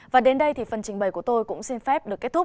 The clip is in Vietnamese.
và đến đây thì phần trình bày của tôi cũng xin phép được kết thúc